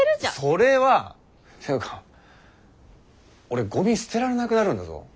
それは！っていうか俺ごみ捨てられなくなるんだぞ。